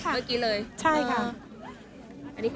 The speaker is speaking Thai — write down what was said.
ตรงนี้ค่ะยืนตรงนี้ค่ะ